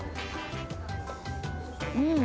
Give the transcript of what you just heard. うん。